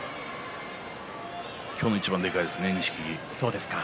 今日の一番はでかいですね。